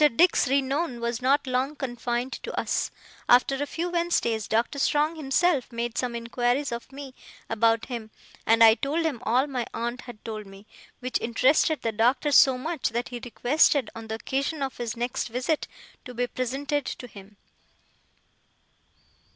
Mr. Dick's renown was not long confined to us. After a few Wednesdays, Doctor Strong himself made some inquiries of me about him, and I told him all my aunt had told me; which interested the Doctor so much that he requested, on the occasion of his next visit, to be presented to him.